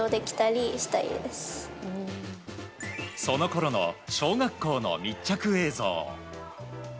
そのころの小学校の密着映像。